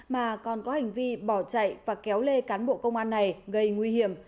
mà còn có hành vi bỏ chạy và kéo lê cán bộ công an này gây nguy hiểm